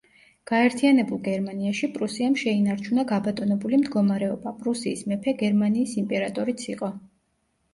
გაერთიანებულ გერმანიაში პრუსიამ შეინარჩუნა გაბატონებული მდგომარეობა, პრუსიის მეფე გერმანიის იმპერატორიც იყო.